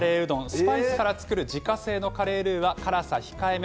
スパイスから作る自家製カレールーは辛さ控えめ。